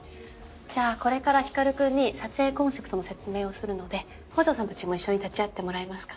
じゃあこれから光君に撮影コンセプトの説明をするので北條さんたちも一緒に立ち合ってもらえますか？